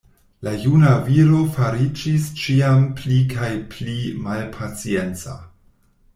La juna viro fariĝis ĉiam pli kaj pli malpacienca.